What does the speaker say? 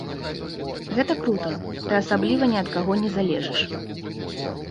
Гэта крута, ты асабліва ні ад каго не залежыш.